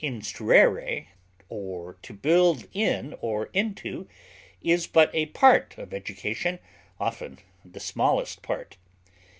instruere, to build in or into) is but a part of education, often the smallest part.